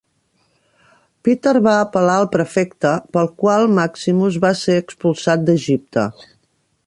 Peter va apel·lar al prefecte, pel qual Maximus va ser expulsat d'Egipte.